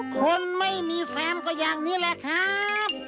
คนไม่มีแฟนก็อย่างนี้แหละครับ